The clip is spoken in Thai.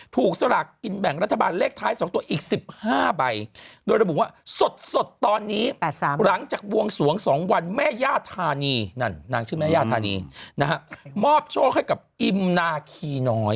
ถูกสลากกินแบ่งรัฐบาลเลขท้าย๒ตัวอีก๑๕ใบ